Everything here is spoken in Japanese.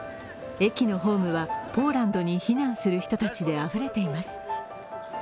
駅のホームはポーランドに避難する人たちであふれています。